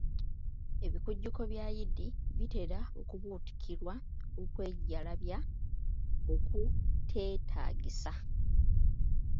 Ebikujjuko bya yidi bitera okubuutikirwa okwejalabya okuteetaagisa